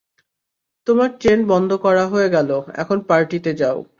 তোমার চেন বন্ধ করা হয়ে গেলে, এখন পার্টিতে যাও।